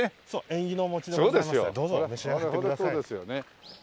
縁起のお餅でございますのでどうぞ召し上がってください。